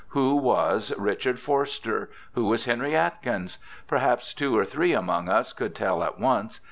Who was Richard Forster ? Who was Henry Atkins ? Perhaps two or three among us could tell at once.